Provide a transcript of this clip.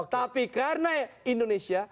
tapi karena indonesia